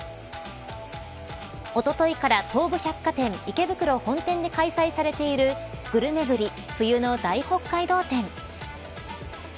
おとといから東武百貨店池袋本店で開催されているぐるめぐり冬の大北海道展。